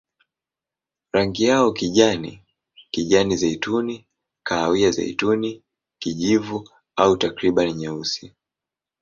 Rangi yao kijani, kijani-zeituni, kahawia-zeituni, kijivu au takriban nyeusi.